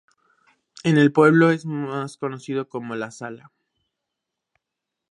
En el pueblo es más conocido como "La Sala".